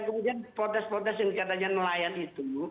kemudian protes protes yang katanya nelayan itu